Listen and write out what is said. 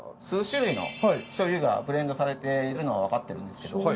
数種類の醤油がブレンドされているのは分かってるんですけど